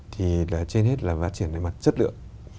thì trên hết là phát triển đối mặt chất lượng